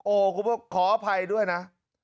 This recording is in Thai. โอ้กูขออภัยด้วยนะ